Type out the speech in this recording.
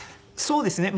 そうですね。